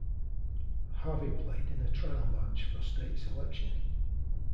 Harvey played in a trial match for state selection.